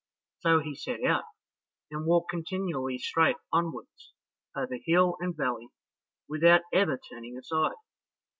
So he set out, and walked continually straight onwards over hill and valley without ever turning aside.